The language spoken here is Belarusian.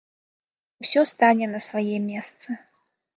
Усё стане на свае месцы.